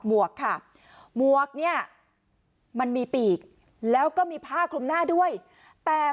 วกค่ะหมวกเนี่ยมันมีปีกแล้วก็มีผ้าคลุมหน้าด้วยแต่